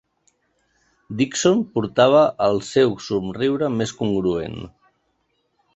Dickson portava el seu somriure més congruent.